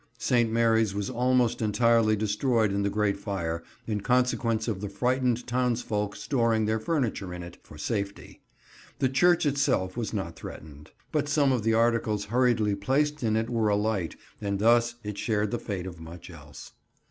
St. Mary's was almost entirely destroyed in the great fire, in consequence of the frightened townsfolk storing their furniture in it, for safety. The church itself was not threatened, but some of the articles hurriedly placed in it were alight, and thus it shared the fate of much else.